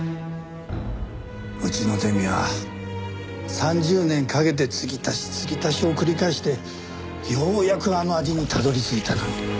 うちのデミは３０年かけてつぎ足しつぎ足しを繰り返してようやくあの味にたどり着いたのに。